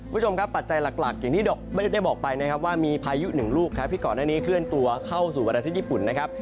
คุณผู้ชมครับปัจจัยหลักอย่างที่ไม่ได้บอกไปนะครับว่ามีพายุหนึ่งลูกครับที่ก่อนหน้านี้เคลื่อนตัวเข้าสู่ประเทศญี่ปุ่นนะครับ